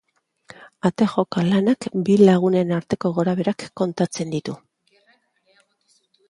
Ate joka lanak bi lagunen arteko gorabeherak kontatzen ditu.